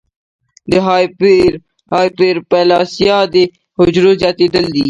د هایپرپلاسیا د حجرو زیاتېدل دي.